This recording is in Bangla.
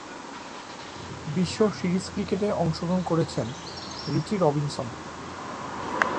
বিশ্ব সিরিজ ক্রিকেট অংশগ্রহণ করেছেন রিচি রবিনসন।